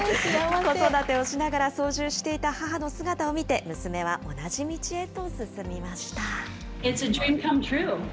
子育てをしながら操縦していた母の姿を見て、娘は同じ道へと進みました。